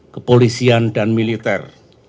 kepolisian dan militer